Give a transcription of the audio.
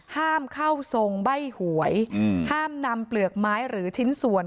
ห้ามเข้าทรงใบ้หวยห้ามนำเปลือกไม้หรือชิ้นส่วน